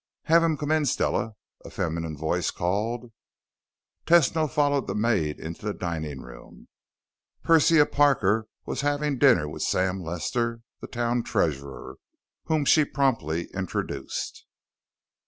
"Have him come in, Stella," a feminine voice called. Tesno followed the maid into the dining room. Persia Parker was having dinner with Sam Lester, the town treasurer, whom she promptly introduced.